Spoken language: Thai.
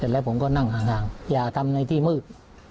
แล้วผมก็นั่งห่างอย่าทำในที่มืด